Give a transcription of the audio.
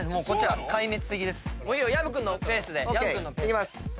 いきます。